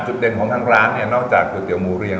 เด่นของทางร้านเนี่ยนอกจากก๋วยเตี๋หมูเรียง